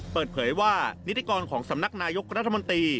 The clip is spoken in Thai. เปิดเผยว่านิติกรของสำนักนายกรัฐมนตรี